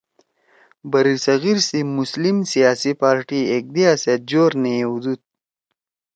برصغیر سی مسلم سیاسی پارٹی ایکدیِا سیت جور نے یِؤدُود